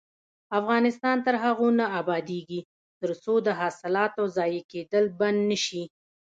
افغانستان تر هغو نه ابادیږي، ترڅو د حاصلاتو ضایع کیدل بند نشي.